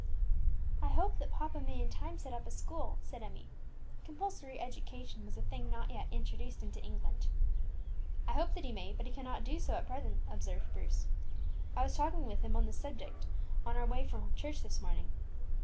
"I hope that papa may in time set up a school," said Emmie. Compulsory education was a thing not yet introduced into England. "I hope that he may; but he cannot do so at present," observed Bruce. "I was talking with him on the subject on our way from church this morning.